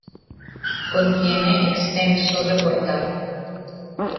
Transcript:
Contiene extenso reportaje.